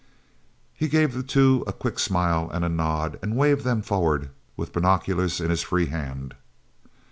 He gave the two a quick smile and a nod and waved them forward with the binoculars in his free hand.